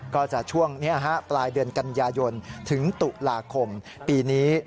ก็จะช่วงนี้ปลายเดือนกันยายนถึงตุลาคมปีนี้